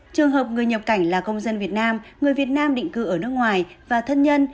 trường hợp người nhập cảnh là công dân việt nam người việt nam định cư ở nước ngoài và thân nhân